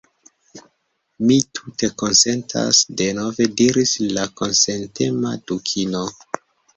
"Mi tute konsentas," denove diris la konsentema Dukino. "